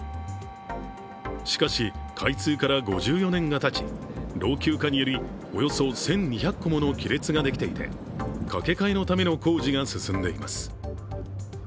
しかし、開通から５４年がたち、老朽化によりおよそ１２００個もの亀裂ができていて架け替えのための工事が進んでいます。